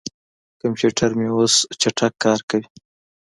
کمپیوټر مې اوس چټک کار کوي.